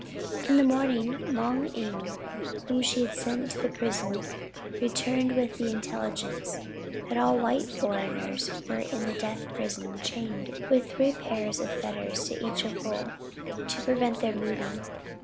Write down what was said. In the morning, Moung Ing, whom she had sent to the prison, returned with the intelligence that all the white foreigners were in the death prison chained with three pairs of fetters each to a pole, to prevent their moving!